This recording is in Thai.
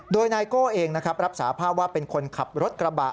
โดยนายโก้เองนะครับรับสาภาพว่าเป็นคนขับรถกระบะ